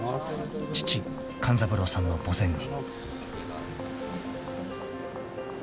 ［父勘三郎さんの墓前に］